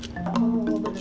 kalau pakai aja